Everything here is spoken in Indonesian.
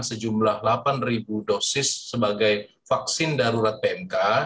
sejumlah delapan dosis sebagai vaksin darurat pmk